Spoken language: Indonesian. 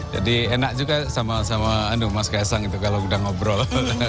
jadi enak juga sama sama mas kaisang itu kalau sudah ngobrol